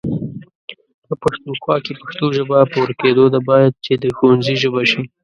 په پښتونخوا کې پښتو ژبه په ورکيدو ده، بايد چې د ښونځي ژبه شي